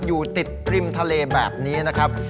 อยู่ติดริมทะเลแบบนี้นะครับ